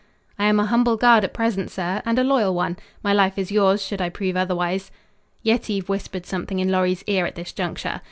"I am a humble guard at present, sir, and a loyal one. My life is yours should I prove otherwise." Yetive whispered something in Lorry's ear at this juncture.